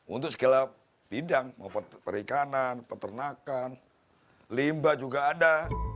untuk segala bidang mau perikanan peternakan limbah juga ada